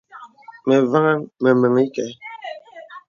Me wàŋhaŋ me meŋhī kɛ̄.